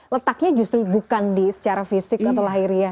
letaknya justru bukan secara fisik atau lahiriah